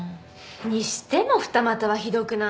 にしても二股はひどくない？